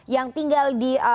yang tinggal di